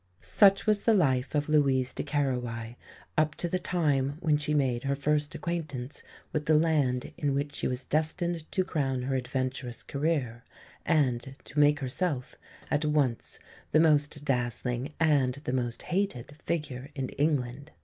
Such was the life of Louise de Querouaille up to the time when she made her first acquaintance with the land in which she was destined to crown her adventurous career, and to make herself at once the most dazzling and the most hated figure in England.